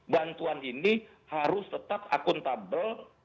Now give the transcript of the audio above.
bantuan ini harus tetap akuntabel